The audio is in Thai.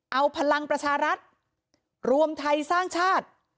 เอาพลังประชารัฐรวมไทยสร้างชาติ